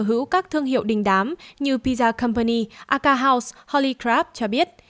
sở hữu các thương hiệu đình đám như pizza company aca house holy crab cho biết